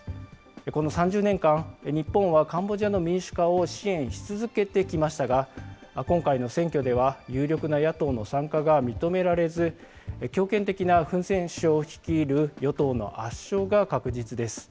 この３０年間、日本はカンボジアの民主化を支援し続けてきましたが、今回の選挙では、有力な野党の参加が認められず、強権的なフン・セン首相率いる与党の圧勝が確実です。